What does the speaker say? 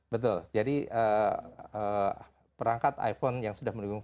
betul jadi perangkat iphone yang sudah mendukung lima g